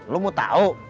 lo mau tau